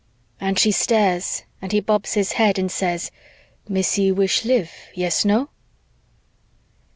_' and she stares and he bobs his head and says, 'Missy wish live, yes, no?'"